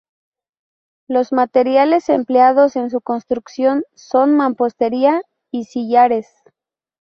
Los materiales empleados en su construcción son mampostería y sillares.